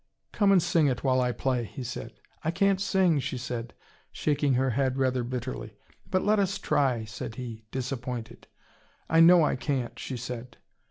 "Come and sing it while I play " he said. "I can't sing," she said, shaking her head rather bitterly. "But let us try," said he, disappointed. "I know I can't," she said.